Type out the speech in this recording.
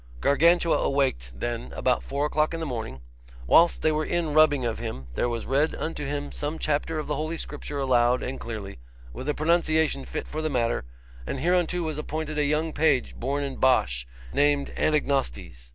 Gargantua awaked, then, about four o'clock in the morning. Whilst they were in rubbing of him, there was read unto him some chapter of the holy Scripture aloud and clearly, with a pronunciation fit for the matter, and hereunto was appointed a young page born in Basche, named Anagnostes.